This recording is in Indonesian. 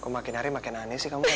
aku makin aneh makin aneh sih kamu kan